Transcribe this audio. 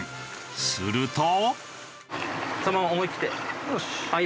すると。